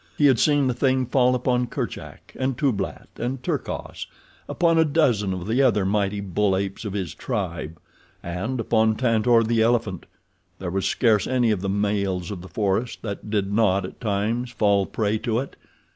He had seen the thing fall upon Kerchak, and Tublat, and Terkoz; upon a dozen of the other mighty bull apes of his tribe; and upon Tantor, the elephant; there was scarce any of the males of the forest that did not at times fall prey to it.